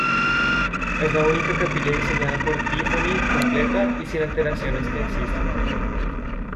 Es la única capilla diseñada por Tiffany completa y sin alteraciones que existe.